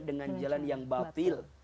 dengan jalan yang batil